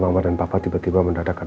soalnya mama dan papa tiba tiba mendadak